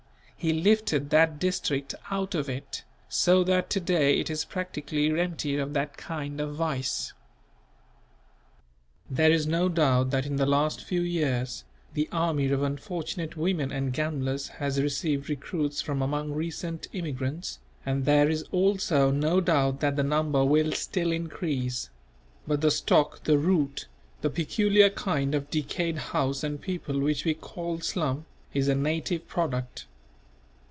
He lifted that district out of it, so that to day it is practically empty of that kind of vice. There is no doubt that in the last few years, the army of unfortunate women and gamblers has received recruits from among recent immigrants, and there is also no doubt that the number will still increase; but the stock, the root, the peculiar kind of decayed house and people which we call slum, is a native product.